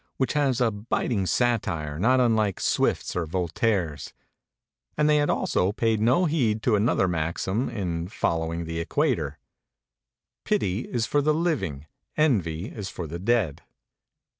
hi< h has a biting satin* not unlike Swift's or Voltaire's. And they had paid no heed to another maxim in 'Follow ing the Equator' "Pity is for the living, envy MEMORIES OF MARK TWAIN is for the dead."